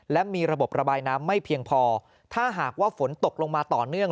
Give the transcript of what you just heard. และมีระบบระบายน้ำไม่เพียงพอถ้าหากว่าฝนตกลงมาต่อเนื่อง